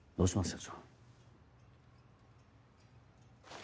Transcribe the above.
社長。